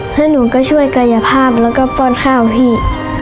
แล้วหนูก็ช่วยกายภาพแล้วก็ป้อนข้าวพี่